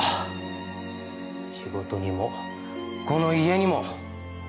仕事にもこの家にも。